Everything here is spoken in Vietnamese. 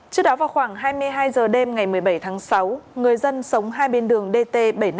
trước đó vào khoảng hai mươi hai h đêm ngày một mươi bảy tháng sáu người dân sống hai bên đường dt bảy trăm năm mươi bốn